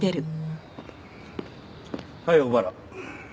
はい小原。